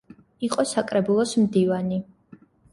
იყო საკრებულოს მდივანი.